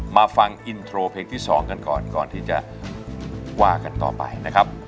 มาฟังอินโทรเพลงที่๒กันก่อนก่อนที่จะว่ากันต่อไปนะครับ